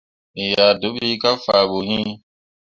Me yah deɓlii kah faa ɓu iŋ.